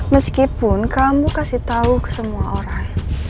meskipun kamu kasih tahu ke semua orang